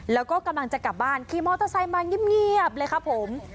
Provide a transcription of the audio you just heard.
แล้วก็กำลังจะกลับบ้านขี่มอเตอร์ไซค์มาเงียบเลยครับผม